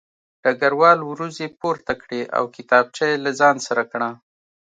ډګروال وروځې پورته کړې او کتابچه یې له ځان سره کړه